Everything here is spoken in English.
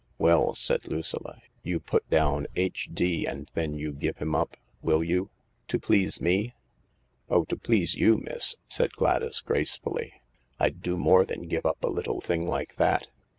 "Well," said Lucilla, "you put down H.D., and then you give him up. Will you ? To please me ?"" Oh, to please you, miss," said Gladys gracefully. " I'd do more than give up a little thing like that.